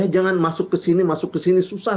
jangan masuk ke sini masuk ke sini susah